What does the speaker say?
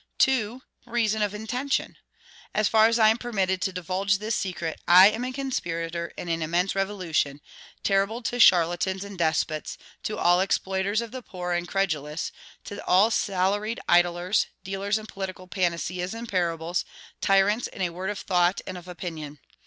2. Reason of intention. As far as I am permitted to divulge this secret, I am a conspirator in an immense revolution, terrible to charlatans and despots, to all exploiters of the poor and credulous, to all salaried idlers, dealers in political panaceas and parables, tyrants in a word of thought and of opinion.